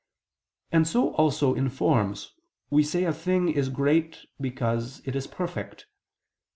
And so also in forms, we say a thing is great because it is perfect.